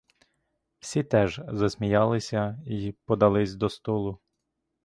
Всі теж засміялися й подались до столу.